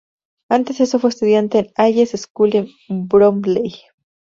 Antes de eso fue estudiante en Hayes School, en Bromley.